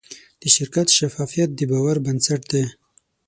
د شرکت شفافیت د باور بنسټ دی.